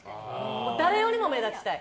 誰よりも目立ちたい。